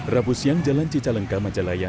rabu siang jalan cicalengka majalaya